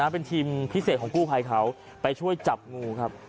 เป็นทีมพิเศษของกู้ภัยเขาไปช่วยจับงูครับ